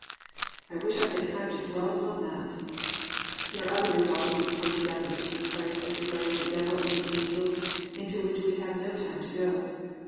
"+ I wish I had time to dwell upon that. 8. There are other results of the atoning death of Jesus Christ as regards the Devil and his angels, into which we have no time to go.